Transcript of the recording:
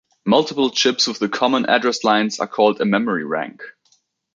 Multiple chips with the common address lines are called a memory rank.